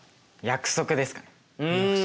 約束ですかね。